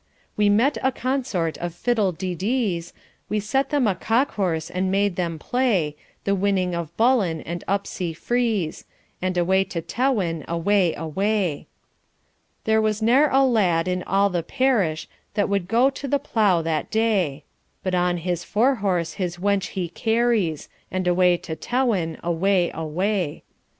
We met a consort of fiddle de dees; We set them a cockhorse, and made them play The winning of Bullen and Upsey frees, And away to Tewin, away, away! There was ne'er a lad in all the parish That would go to the plough that day; But on his fore horse his wench he carries. And away to Tewin, away, away!